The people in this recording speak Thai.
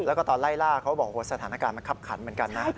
แล้วก็ตอนไล่ล่าเขาบอกว่าสถานการณ์มันคับขันเหมือนกันนะ